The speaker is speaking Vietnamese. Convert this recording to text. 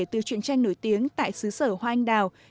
từ chuyện tranh nổi tiếng tại xứ sở hoa anh đào